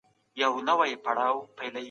انصاف ټولنه پياوړې کوي